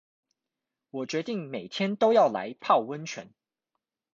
我決定每天都要來泡溫泉